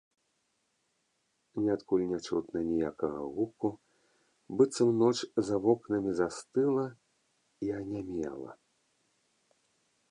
Ніадкуль не чутна ніякага гуку, быццам ноч за вокнамі застыла і анямела.